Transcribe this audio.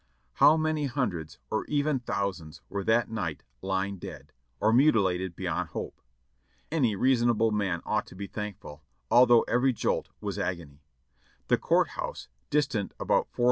How many hundreds, or even thousands, were that night lying dead, or mutilated beyond hope. Any reasonable man ought to be thankful, although every jolt was agony. The Court House, distant about four m.